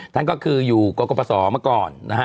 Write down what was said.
ท่านก็คืออยู่กรกภาษอเมื่อก่อนนะฮะ